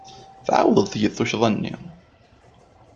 Tɛawdeḍ tgiḍ tuccḍa-nni.